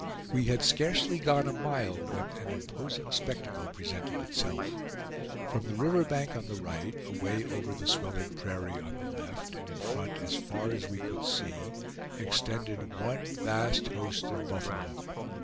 We had scarcely gone a mile when an imposing spectacle presented itself. From the river bank on the right, away over the swelling prairie on the left, and in front as far as we could see, extended one vast host of buffalo.